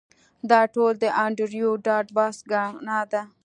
دا ټول د انډریو ډاټ باس ګناه ده